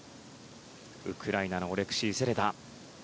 ウクライナのオレクシー・セレダ。